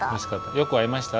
よくあいました？